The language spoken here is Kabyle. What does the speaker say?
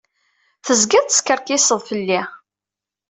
Tezgiḍ teskerkiseḍ fell-i.